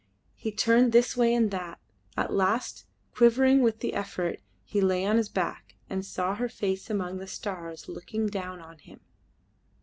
He turned this way and that; at last, quivering with the effort, he lay on his back, and saw her face among the stars looking down on him.